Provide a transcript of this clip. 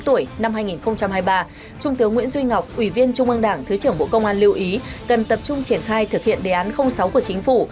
trung tướng nguyễn duy ngọc ủy viên trung ương đảng thứ trưởng bộ công an lưu ý cần tập trung triển khai thực hiện đề án sáu của chính phủ